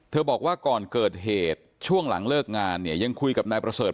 บอกว่าก่อนเกิดเหตุช่วงหลังเลิกงานเนี่ยยังคุยกับนายประเสริฐ